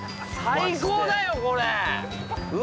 最高だよこれ！